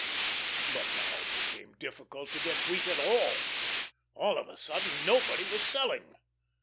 But now it became difficult to get wheat at all. All of a sudden nobody was selling.